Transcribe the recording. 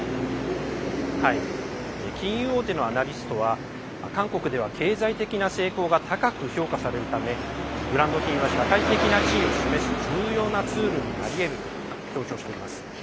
金融大手のアナリストは韓国では経済的な成功が高く評価されるためブランド品は社会的な地位を示す重要なツールになりえると強調しています。